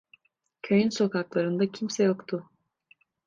Köyün sokaklarında kimse yoktu.